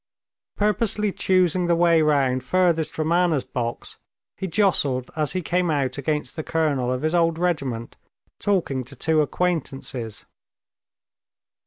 Purposely choosing the way round furthest from Anna's box, he jostled as he came out against the colonel of his old regiment talking to two acquaintances.